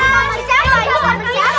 kepala kita sama siapa